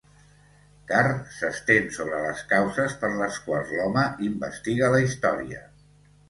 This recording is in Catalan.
Carr s'estén sobre les causes per les quals l'home investiga la història.